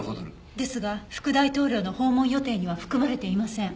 ですが副大統領の訪問予定には含まれていません。